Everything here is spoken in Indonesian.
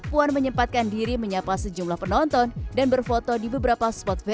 puan menyempatkan diri menyapa sejumlah penonton dan berfoto di beberapa spot venu